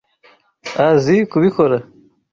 a azi kubikora.